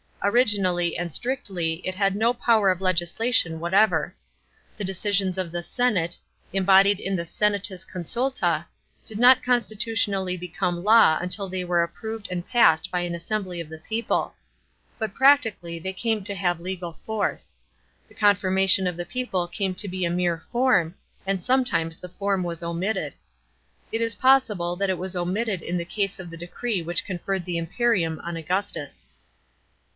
Originally arid strictly it had no power of legislation \\hatever. The decisions of the senate, embodied in senatusconsulta, did not constitutiona'ly become law until tbey weie approved and passed by an assembly of the people, But practically they came to have legal force. The confirmation of the people came to be a mere form, and sometimes the form was omitted. It is possible that it was omitted in the case of the decree which conferred the imperium on Augustus.